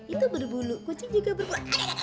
itu berbulu kucing juga berbuat